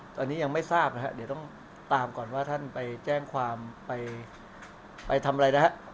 ตอนนี้ยังไม่ทราบนะฮะเดี๋ยวต้องตามก่อนว่าท่านไปแจ้งความไปทำอะไรนะฮะ